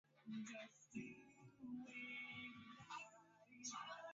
unga wa viazi lishe unaweza kutumika badala ya unga ngano